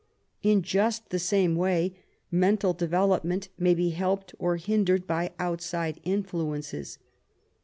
In just the same way mental development may be helped or hindered by outside influences.